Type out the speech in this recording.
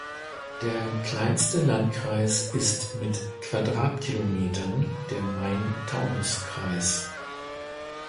Der kleinste Landkreis ist mit Quadratkilometern der Main-Taunus-Kreis.